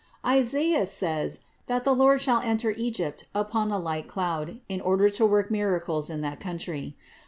664. Isaias says that the Lord shall enter Egypt upon a light cloud in order to work miracles for that country.